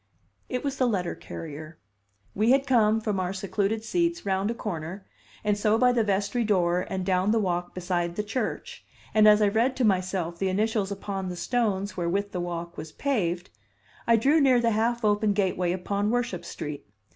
It was the letter carrier. We had come, from our secluded seats, round a corner, and so by the vestry door and down the walk beside the church, and as I read to myself the initials upon the stones wherewith the walk was paved, I drew near the half open gateway upon Worship Street.